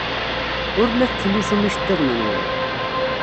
Ur la tettlusum iceḍḍiḍen-nwen.